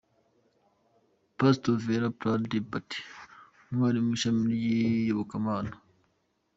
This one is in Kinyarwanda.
Pastor Vara Prasaad Deepati, umwarimu mu ishami ry’iyobokama, Dr.